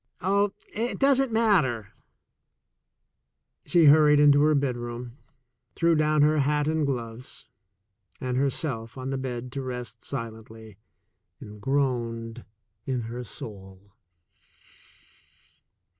"Oh, it doesn't matter." THE SECOND CHOICE i6i She hurried into her bedroom, threw down her hat and gloves, and herself on the bed to rest silently, and groaned in her soul.